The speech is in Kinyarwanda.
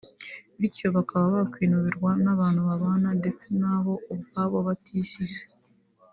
bityo bakaba bakwinubirwa n’abantu babana ndetse nabo ubwabo batisize